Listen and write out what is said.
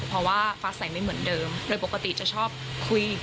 เพราะว่าฟ้าใสไม่เหมือนเดิมโดยปกติจะชอบคุย